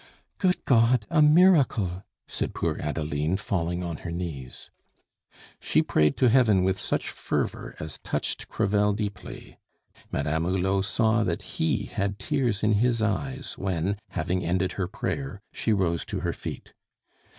"Good God! a miracle!" said poor Adeline, falling on her knees. She prayed to Heaven with such fervor as touched Crevel deeply; Madame Hulot saw that he had tears in his eyes when, having ended her prayer, she rose to her feet.